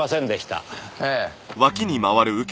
ええ。